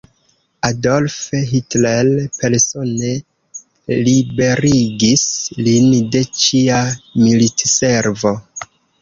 Adolf Hitler persone liberigis lin de ĉia militservo.